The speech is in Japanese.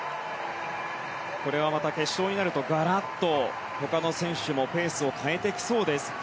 これはまた決勝になるとガラッと、他の選手もペースを変えてきそうです。